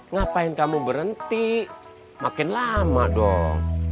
ngapain kamu berhenti makin lama dong